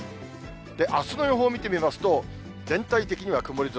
あすの予報を見てみますと、全体的には曇り空。